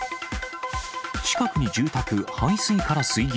近くに住宅、排水から水銀。